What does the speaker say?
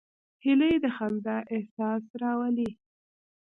هیلۍ د خندا احساس راولي